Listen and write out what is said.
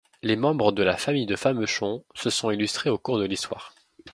Les membres de la famille de Famechon se sont illustrés au cours de l'Histoire.